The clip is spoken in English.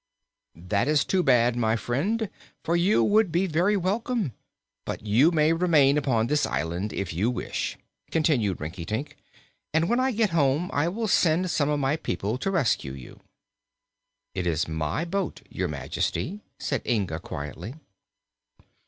"That is too bad, my friend, for you would be very welcome. But you may remain upon this island, if you wish," continued Rinkitink, "and when I get home I will send some of my people to rescue you." "It is my boat, Your Majesty," said Inga quietly.